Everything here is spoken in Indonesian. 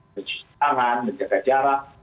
menciptakan tangan menjaga jarak